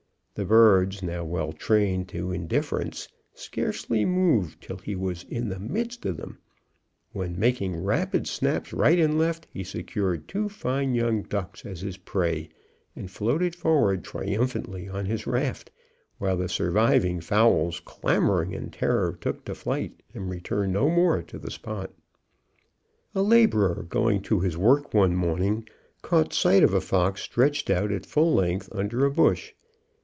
The birds, now well trained to indifference, scarcely moved till he was in the midst of them, when, making rapid snaps right and left, he secured two fine young ducks as his prey, and floated forward triumphantly on his raft; while the surviving fowls, clamouring in terror, took to flight, and returned no more to the spot. A labourer going to his work one morning sight of a fox stretched out at full length under a bush.